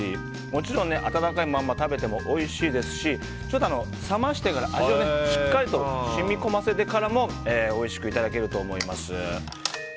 もちろん温かいまま食べてもおいしいですしちょっと冷ましてから、味をしっかりと染み込ませてからでもおいしくいただけると思います。